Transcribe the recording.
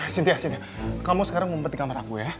cynthia kamu sekarang mumpet di kamar aku ya